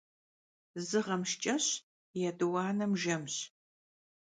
Zı ğem şşç'eş, yêt'uanem jjemş.